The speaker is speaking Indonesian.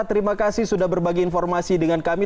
terima kasih sudah berbagi informasi dengan kami